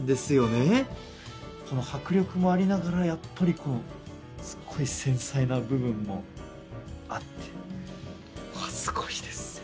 この迫力もありながらやっぱりこうすごい繊細な部分もあってうわっすごいですね。